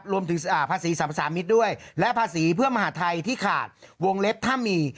รวมถึงภาษีสรรพสามิตรด้วยและภาษีเพื่อมหาทัยที่ขาดวงเล็บถ้ามี